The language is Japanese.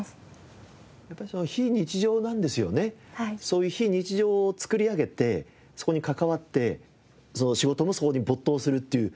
そういう非日常を作り上げてそこに関わってその仕事もそこに没頭するという。